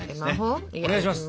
お願いします！